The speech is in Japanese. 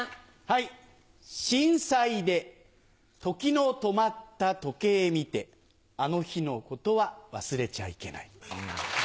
震災で時の止まった時計見てあの日の事は忘れちゃいけない。